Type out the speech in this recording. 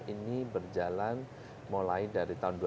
ini berjalan mulai dari tahun dua ribu dua puluh satu